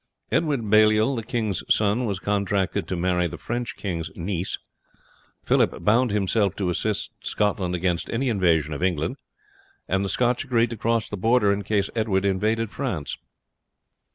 Edward Baliol, the king's son, was contracted to marry the French king's niece. Phillip bound himself to assist Scotland against any invasion of England, and the Scotch agreed to cross the Border in case Edward invaded France.